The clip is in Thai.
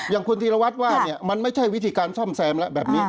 อย่างคุณธีรวัตรว่าเนี่ยมันไม่ใช่วิธีการซ่อมแซมแล้วแบบนี้